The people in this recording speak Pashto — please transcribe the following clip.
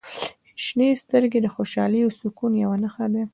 • شنې سترګې د خوشحالۍ او سکون یوه نښه دي.